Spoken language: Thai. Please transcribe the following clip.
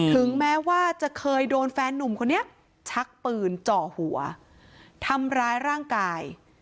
ถึงแม้ว่าจะเคยโดนแฟนนุ่มคนนี้ชักปืนเจาะหัวทำร้ายร่างกาย